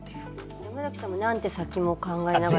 山崎さんも、何手先も考えながら？